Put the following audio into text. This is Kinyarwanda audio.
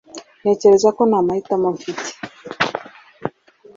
Ntekereza ko nta mahitamo dufite